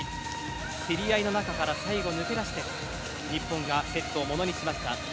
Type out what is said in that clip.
競り合いの中から最後、抜け出して日本がセットをものにしました。